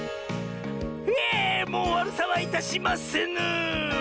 ひえもうわるさはいたしませぬ！